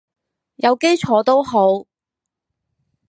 有基礎都好